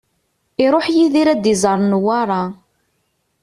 Iruḥ Yidir ad d-iẓer Newwara.